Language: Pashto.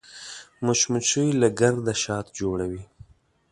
مچمچۍ له ګرده شات جوړوي